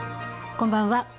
こんばんは。